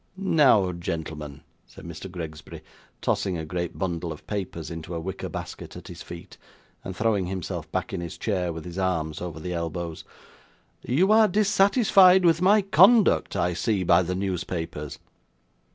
'Now, gentlemen,' said Mr. Gregsbury, tossing a great bundle of papers into a wicker basket at his feet, and throwing himself back in his chair with his arms over the elbows, 'you are dissatisfied with my conduct, I see by the newspapers.